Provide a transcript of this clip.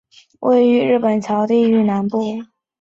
位于日本桥地域南部。